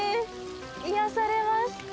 癒やされます。